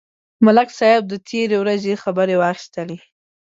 ملک صاحب د تېرې ورځې خبرې واخیستلې.